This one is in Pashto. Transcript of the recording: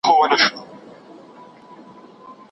تابعداري باید د نيکو کارونو لپاره وي.